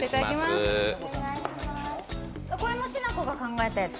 これも、しなこが考えたやつ？